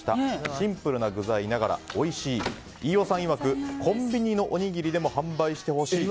シンプルな具材ながらおいしい飯尾さんいわくコンビニのおにぎりでも販売してほしい。